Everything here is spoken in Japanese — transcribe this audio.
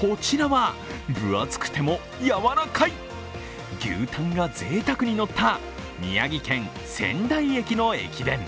こちらは分厚くてもやわらかい、牛タンがぜいたくに乗った宮城県仙台駅の駅弁。